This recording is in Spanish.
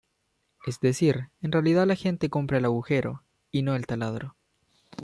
Es decir, en realidad la gente compra el "agujero" y no el taladro.